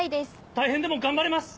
大変でも頑張れます。